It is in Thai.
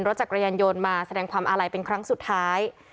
รถจักรยานยนต์มาแสดงความอาลัยเป็นครั้งสุดท้าย